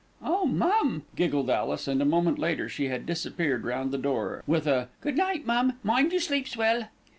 "Oh, mum!" giggled Alice, and a moment later she had disappeared round the door, with a "Good night, mum, mind you sleeps well."